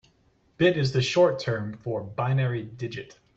Bit is the short term for binary digit.